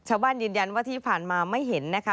ชาวบ้านยืนยันว่าที่ผ่านมาไม่เห็นนะคะ